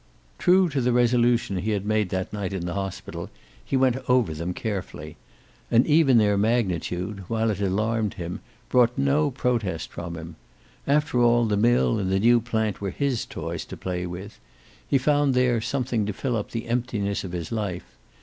True to the resolution he had made that night in the hospital, he went over them carefully. And even their magnitude, while it alarmed him, brought no protest from him. After all the mill and the new plant were his toys to play with. He found there something to fill up the emptiness of his life.